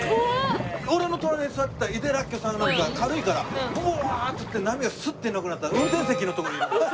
俺の隣に座ってた井手らっきょさんなんか軽いからブワーッていって波がスッていなくなったら運転席のとこにいるんです。